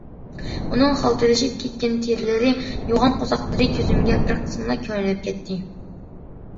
ئۇنىڭ خالتىلىشىپ كەتكەن تېرىلىرى، يوغان قورساقلىرى كۆزۈمگە بىر قىسمىلا كۆرۈنۈپ كەتتى.